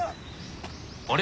あれ？